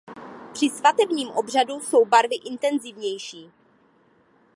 Při svatebním obřadu jsou barvy intenzivnější.